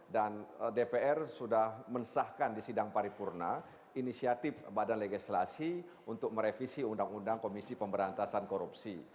dan dpr sudah mensahkan di sidang paripurna inisiatif badan legislasi untuk merevisi undang undang komisi pemberantasan korupsi